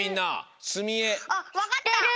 あっわかった！